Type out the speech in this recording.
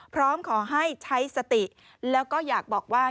พร้อมขอให้ใช้สติแล้วก็อยากบอกว่า